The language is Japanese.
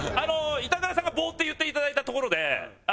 板倉さんが「棒」って言っていただいたところで。